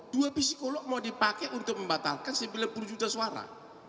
dua psikolog mau dipakai untuk membatalkan sembilan puluh juta suara